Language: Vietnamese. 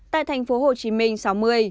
tại thành phố hồ chí minh sáu mươi